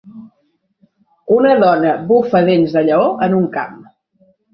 Una dona bufa dents de lleó en un camp.